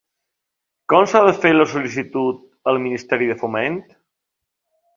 Com s'ha de fer la sol·licitud al Ministeri de Foment?